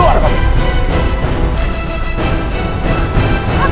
keluar dari sini